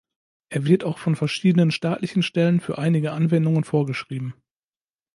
Er wird auch von verschiedenen staatlichen Stellen für einige Anwendungen vorgeschrieben.